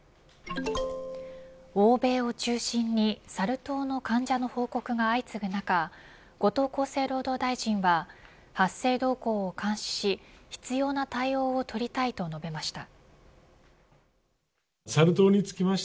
欧米を中心にサル痘の患者の報告が相次ぐ中後藤厚生労働大臣は発生動向を監視し必要な対応を取りたいと述べました。